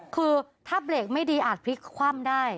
คือถ้าเบรกไม่ดีอาจพลิกคว่ำได้